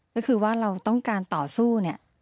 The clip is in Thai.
ก็คือว่าเราต้องการต่อสู้เนี่ย